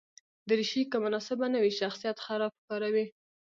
دریشي که مناسبه نه وي، شخصیت خراب ښکاروي.